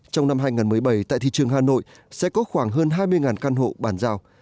trong năm hai nghìn một mươi bảy tại thị trường hà nội sẽ có khoảng hơn hai mươi căn hộ bàn giao